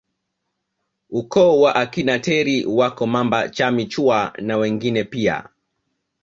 Ukoo wa akina Teri wako Mamba Chami Chuwa na wengine pia